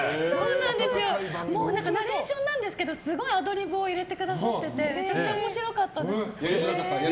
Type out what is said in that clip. ナレーションなんですけどもすごいアドリブを入れていてめちゃくちゃ面白かったです。